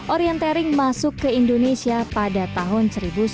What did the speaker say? orientering masuk ke indonesia pada tahun seribu sembilan ratus sembilan puluh